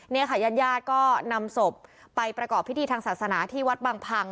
เนี่ยค่ะญาติญาติก็นำศพไปประกอบพิธีทางศาสนาที่วัดบางพัง